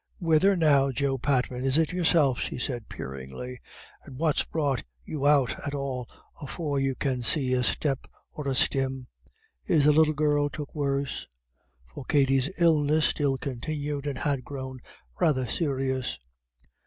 "Whethen, now, Joe Patman, is it yourself?" she said, peeringly. "And what's brought you out at all afore you can see a step or a stim? Is the little girl took worse?" For Katty's illness still continued, and had grown rather serious.